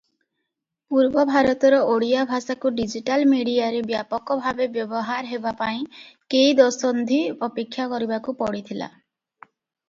ପୂର୍ବ ଭାରତର ଓଡ଼ିଆ ଭାଷାକୁ ଡିଜିଟାଲ ମିଡିଆରେ ବ୍ୟାପକ ଭାବେ ବ୍ୟବହାର ହେବା ପାଇଁ କେଇ ଦଶନ୍ଧି ଅପେକ୍ଷା କରିବାକୁ ପଡ଼ିଥିଲା ।